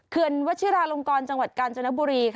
เขือนวชิราลงกรจังหวัดกาญจนบุรีค่ะ